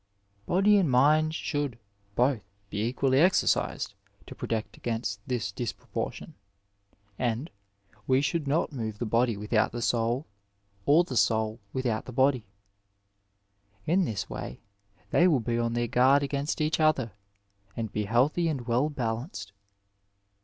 ... Body and mind should both be equally exercised to pro tect against this disproportion, and " we should not move the body without the soul or the soul without the body. In this way they will be on their guard against each other, and be healthy and well balanced."